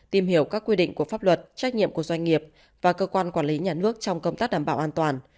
tìm hiểu các quy định của pháp luật trách nhiệm của doanh nghiệp và cơ quan quản lý nhà nước trong công tác đảm bảo an toàn